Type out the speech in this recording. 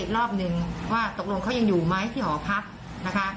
รอบหนึ่งว่าตกลงเขายังอยู่ไหมที่หอพักนะคะ